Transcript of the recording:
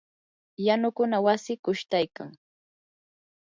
yanukuna wasi qushtaykan.